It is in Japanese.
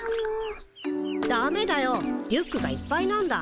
ダメだよリュックがいっぱいなんだ。